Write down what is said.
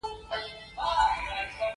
پنېر ته باید تازه شیدې وکارول شي.